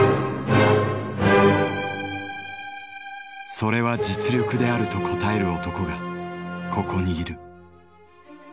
「それは実力である」と答える男がここにいる。